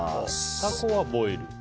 タコはボイル？